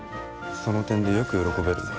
その点でよく喜べるな。